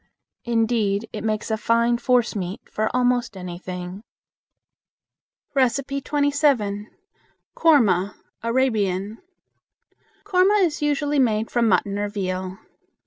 Indeed, it makes a fine forcemeat for most anything. 27. Koorma (Arabian). Koorma is usually made from mutton or veal.